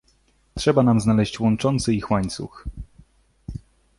"Trzeba nam znaleźć łączący ich łańcuch."